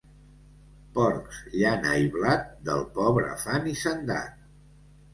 Porcs, llana i blat, del pobre fan hisendat.